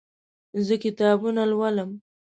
زه کتابونه لولم